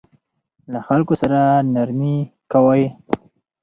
له خلکو سره نرمي کوئ